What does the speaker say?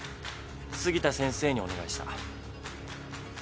杉田先生にお願いした。